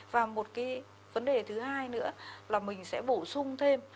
và một cái vấn đề thứ hai nữa là mình sẽ bổ sung thêm